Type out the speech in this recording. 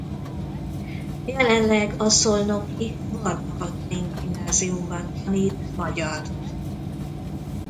Jelenleg a szolnoki Varga Katalin Gimnáziumban tanít magyart.